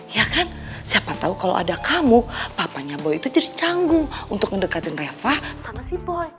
ya kan siapa tahu kalau ada kamu papanya boy itu jadi canggung untuk mendekatin reva sama si boy